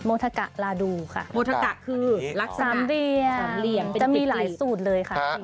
โมทะกะลาดูค่ะโมทะกะคือลักษณะสำเรียมสำเรียมจะมีหลายสูตรเลยค่ะ